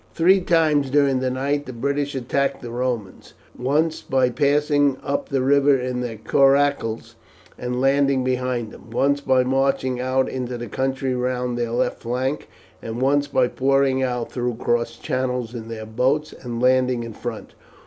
Three times during the night the British attacked the Romans, once by passing up the river in their coracles and landing behind them, once by marching out into the country round their left flank, and once by pouring out through cross channels in their boats and landing in front.